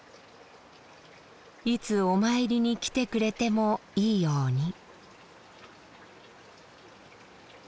いつお参りに来てくれてもいいように。